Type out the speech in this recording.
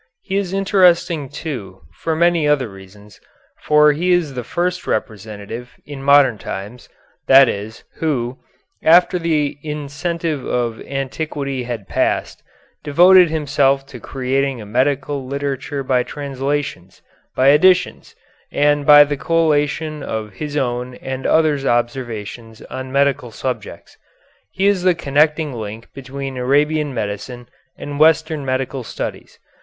He is interesting, too, for many other reasons, for he is the first representative, in modern times, that is, who, after the incentive of antiquity had passed, devoted himself to creating a medical literature by translations, by editions, and by the collation of his own and others' observations on medical subjects. He is the connecting link between Arabian medicine and Western medical studies.